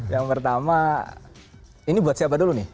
yang pertama ini buat siapa dulu nih